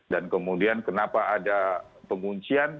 dan kemudian kenapa ada penguncian